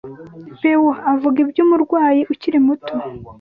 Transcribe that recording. Bewo avuga iby'umurwanyi ukiri muto